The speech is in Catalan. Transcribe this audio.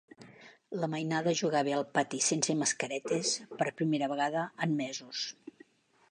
La mainada jugava al pati sense mascaretes per primera vegada en mesos.